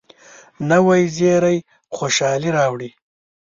نوې زیري خوشالي راوړي